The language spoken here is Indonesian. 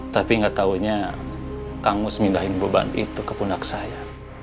tapi nggak tahunya kang mus mindahin beban itu ke pundak saya